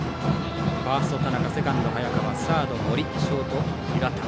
ファースト、田中セカンド、早川サード、森ショート、平田。